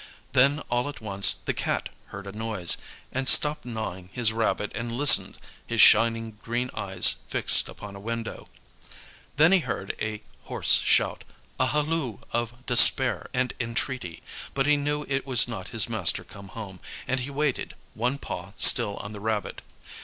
Then all at once the Cat heard a noise, and stopped gnawing his rabbit and listened, his shining green eyes fixed upon a window. Then he heard a hoarse shout, a halloo of despair and entreaty; but he knew it was not his master come home, and he waited, one paw still on the rabbit.